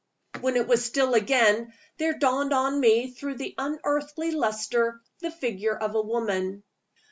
When it was still again, there dawned on me through the unearthly luster the figure of a woman.